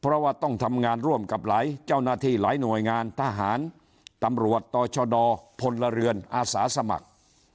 เพราะว่าต้องทำงานร่วมกับหลายเจ้าหน้าที่หลายหน่วยงานทหารตำรวจต่อชดพลเรือนอาสาสมัคร